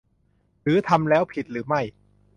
หรือทำแล้วผิดหรือไม่